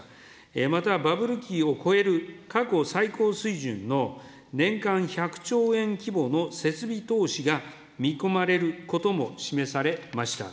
またバブル期を超える過去最高水準の年間１００兆円規模の設備投資が見込まれることも示されました。